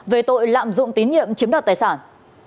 về tội lạm dụng tín nhiệm chiếm đoạt tài sản